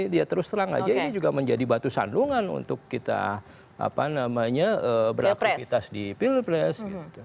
dia terus terang aja ini juga menjadi batu sandungan untuk kita beraktivitas di pilpres